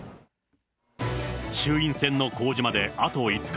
衆院選の公示まであと５日。